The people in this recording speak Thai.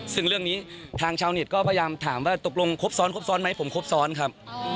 ซึ่งเรื่องนี้ทางชาวเน็ตก็พยายามถามว่าตกลงครบซ้อนครบซ้อนไหมผมครบซ้อนครับ